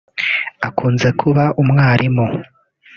akunze kuba umwarimu